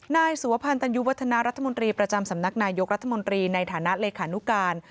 นายสุวพันธัญญุวัฒนารัฐมนตรีประจำสำนักนายกรัฐมนตรีในฐานะเลขานุการ